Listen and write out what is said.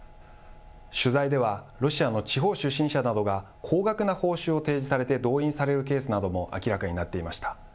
取材では、ロシアの地方出身者などが高額な報酬を提示されて動員されるケースなども明らかになっていました。